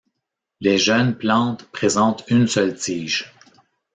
Les jeunes plantes présentent une seule tige.